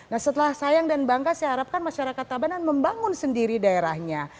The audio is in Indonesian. nah setelah sayang dan bangga saya harapkan masyarakat tabanan membangun sendiri daerahnya